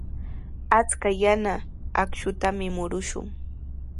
Achka yana akshutami murushun.